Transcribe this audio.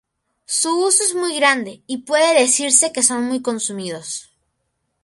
Su uso es muy grande y puede decirse que son muy consumidos.